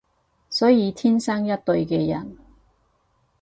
所有天生一對嘅人